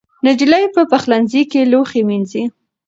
نجلۍ په پخلنځي کې لوښي مینځي.